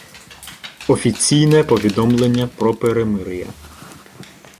Офіційне повідомлення про перемир'я.